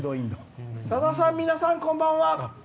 「さださん、皆さんこんばんは。